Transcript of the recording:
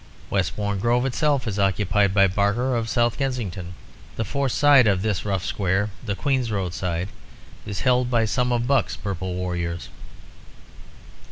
Westbourne Grove itself is occupied by Barker of South Kensington. The fourth side of this rough square, the Queen's Road side, is held by some of Buck's Purple warriors.